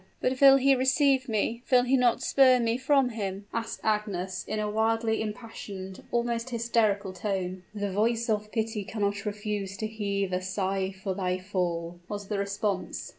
"But will he receive me will he not spurn me from him?" asked Agnes, in a wildly impassioned almost hysterical tone. "The voice of pity cannot refuse to heave a sigh for thy fall," was the response.